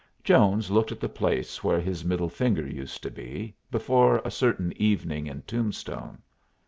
Jones looked at the place where his middle finger used to be, before a certain evening in Tombstone.